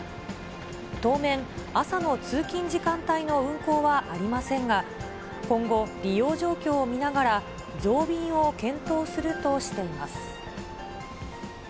当面、朝の通勤時間帯の運航はありませんが、今後、利用状況を見ながら、増便を検討するとしています。